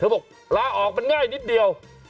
มันง่ายนิดเดียว